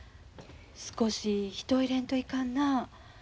少し人を入れんといかんな。